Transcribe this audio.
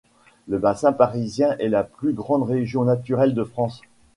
Le Bassin parisien est la plus grande région naturelle de France.